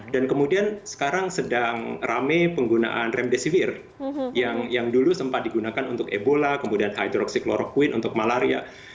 dan kemudian sekarang sedang rame penggunaan remdesivir yang dulu sempat digunakan untuk ebola kemudian hidroksikloroquine untuk malaria